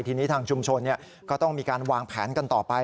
ทีนี้ทางชุมชนก็ต้องมีการวางแผนกันต่อไป